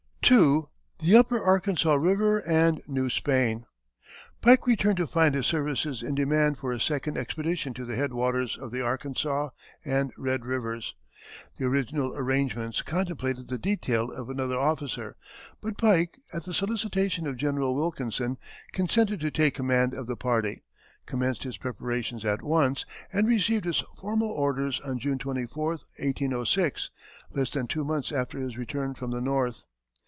II. THE UPPER ARKANSAS RIVER AND NEW SPAIN. Pike returned to find his services in demand for a second expedition to the head waters of the Arkansas and Red rivers. The original arrangements contemplated the detail of another officer, but Pike, at the solicitation of General Wilkinson, consented to take command of the party, commenced his preparations at once, and received his formal orders on June 24, 1806, less than two months after his return from the north.